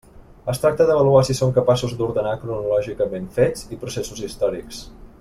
Es tracta d'avaluar si són capaços d'ordenar cronològicament fets i processos històrics.